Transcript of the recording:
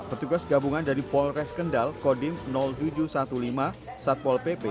petugas gabungan dari polres kendal kodim tujuh ratus lima belas satpol pp